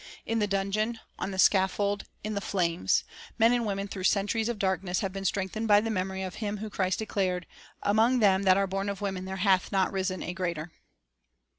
In the dungeon, on the scaffold, •There Hath j n t i le f] ames men ant i women through centuries of Xot Risen ° a Greater ' darkness have been strengthened by the memory of him of whom Christ declared, "Among them that arc born of women there hath not risen a greater."